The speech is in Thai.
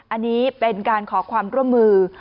อันนี้เป็นการขอความร่วมมือ